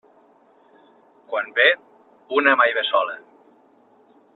Quan ve, una mai ve sola.